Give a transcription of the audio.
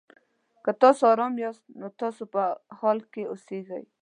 که تاسو ارامه یاست؛ نو تاسو په حال کې اوسېږئ.